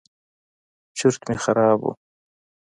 چورت مې خراب و.